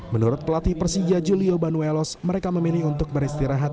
menurut pelatih persija julio banuelos mereka memilih untuk beristirahat